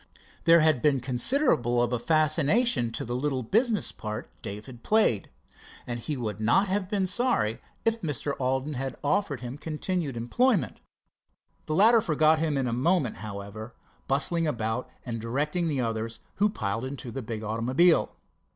There had been considerable of a fascination to the little business part Dave had played. He would not have been sorry if Mr. Alden had offered him continued employment. The latter forgot him in a moment, however, bustling about and directing the others, who piled into the big automobile.